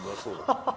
ハハハ！